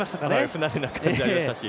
不慣れな感じありましたし